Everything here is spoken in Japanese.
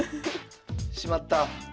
しまった。